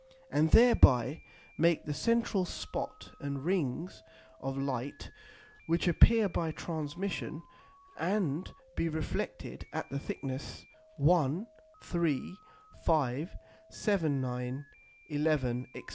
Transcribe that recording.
and thereby make the central Spot and Rings of Light, which appear by transmission, and be reflected at the thickness 1, 3, 5, 7, 9, 11, &c.